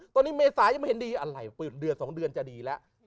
ตอนนี้เมษายังไม่เห็นดีอะไรเปิดเดือน๒เดือนจะดีแล้ว